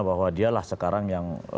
bahwa dialah sekarang yang